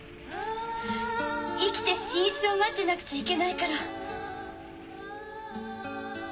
生きて新一を待ってなくちゃいけないから。